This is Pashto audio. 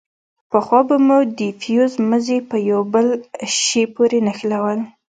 پخوا به مو د فيوز مزي په يوه بل شي پورې نښلول.